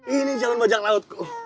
ini calon bajak lautku